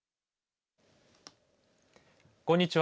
こんにちは。